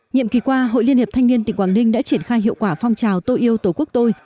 nhiệm kỳ qua hội liên hiệp thanh niên tỉnh quảng ninh đã triển khai hiệu quả phong trào tô yêu tổ quốc tôi